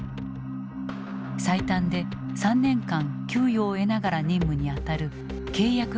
最短で３年間給与を得ながら任務にあたる契約軍人。